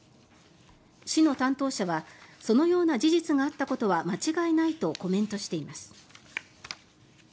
市の担当者はそのような事実があったことは間違いないとコメントしています。